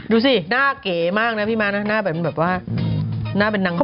ดูสิหน้าเก๋มากนะพี่ม้านะหน้าเป็นแบบว่าหน้าเป็นนาง